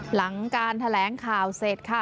หลังการแถลงข่าวเสร็จค่ะ